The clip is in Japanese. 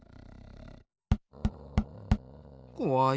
こわい。